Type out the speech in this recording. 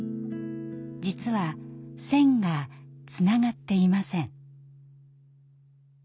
実は線がつながっていません。